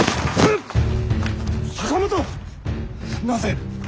なぜ。